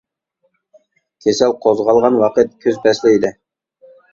كېسەل قوزغالغان ۋاقىت كۈز پەسلى ئىدى.